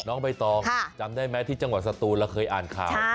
น้องใบตองจำได้ไหมที่จังหวัดสตูนเราเคยอ่านข่าว